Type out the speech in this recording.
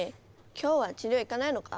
今日は治療行かないのか？